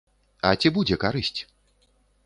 А ці будзе карысць?